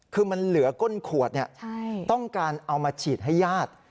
คือมันเหลือก้นขวดต้องการเอามาฉีดให้ญาติ